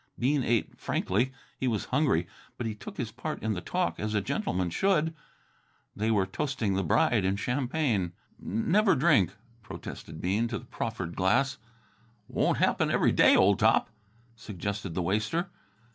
Bean ate frankly. He was hungry, but he took his part in the talk as a gentleman should. They were toasting the bride in champagne. "Never drink," protested Bean to the proffered glass. "Won't happen every day, old top," suggested the waster.